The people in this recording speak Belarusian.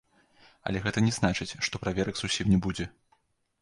Але гэта не значыць, што праверак зусім не будзе.